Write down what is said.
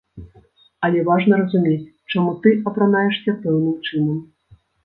Але важна разумець, чаму ты апранаешся пэўным чынам.